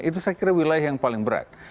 itu saya kira wilayah yang paling berat